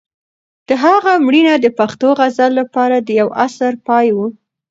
د هغه مړینه د پښتو غزل لپاره د یو عصر پای و.